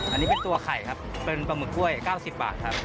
อันนี้เป็นตัวไข่ครับเป็นปลาหมึกกล้วย๙๐บาทครับ